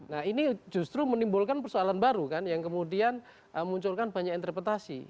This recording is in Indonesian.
nah ini justru menimbulkan persoalan baru kan yang kemudian munculkan banyak interpretasi